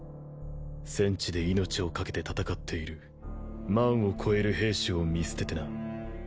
戦地で命を懸けて戦っている万を超える兵士を見捨ててな。